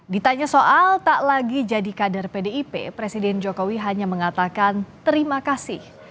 ditanya soal tak lagi jadi kader pdip presiden jokowi hanya mengatakan terima kasih